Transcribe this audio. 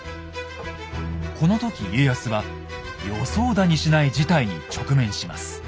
この時家康は予想だにしない事態に直面します。